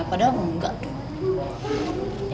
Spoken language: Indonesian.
padahal enggak tuh